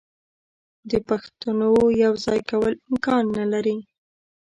د پښتونو یو ځای کول امکان نه لري.